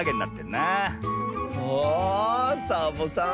あサボさん